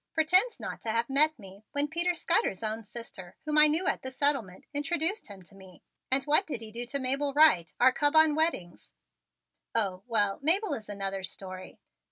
Pretends not to have met me, when Peter Scudder's own sister, whom I knew at the settlement, introduced him to me; and what he did to Mabel Wright, our cub on weddings Oh, well, Mabel is another story.